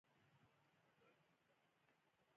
دا ارزښتونه د باور له لارې پياوړي کېږي.